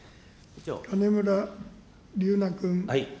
金村龍那君。